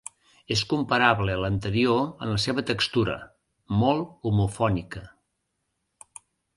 És comparable a l'anterior en la seva textura: molt homofònica.